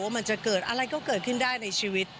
มันจะเกิดอะไรก็เกิดขึ้นได้ในชีวิต